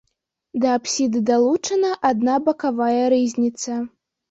Да апсіды далучана адна бакавая рызніца.